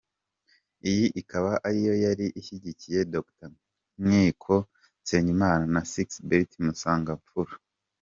Iyi ikaba ariyo yari ishyigikiye Dr Nkiko Nsengimana na Sixbert Musangamfura.